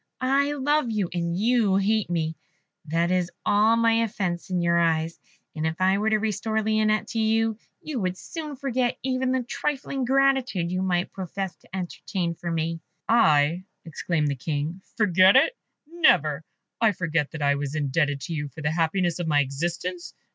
I love you, and you hate me that is all my offence in your eyes. And if I were to restore Lionette to you, you would soon forget even the trifling gratitude you might profess to entertain for me." "I," exclaimed the King, "forget it? Never! I forget that I was indebted to you for the happiness of my existence?